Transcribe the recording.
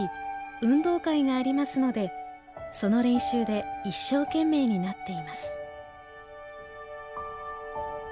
運動会がありますのでその練習で一生懸命になっています」。